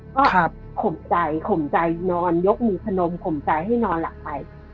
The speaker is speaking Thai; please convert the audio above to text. ก็ข่มใจข่มใจนอนยกมือพนมข่มใจให้นอนหลับไป